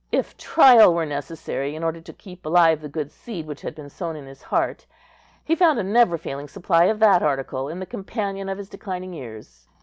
If trial were necessary in order to keep alive the good seed which had been sown in his heart, he found a never failing supply of that article in the companion of his declining years.